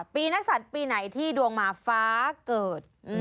ปีนักศัตริย์ปีไหนที่ดวงมาฟ้าเกิด